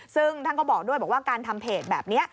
ซึ่งท่านก็บอกด้วยบอกว่าการทำเพจแบบนี้